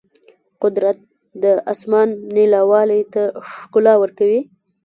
قدرت د اسمان نیلاوالي ته ښکلا ورکوي.